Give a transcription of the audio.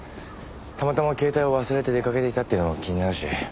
たまたま携帯を忘れて出かけていたっていうのも気になるし。